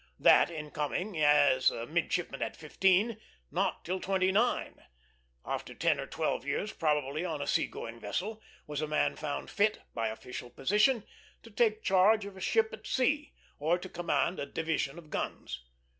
That is, coming in as a midshipman at fifteen, not till twenty nine, after ten to twelve years probably on a sea going vessel, was a man found fit, by official position, to take charge of a ship at sea, or to command a division of guns.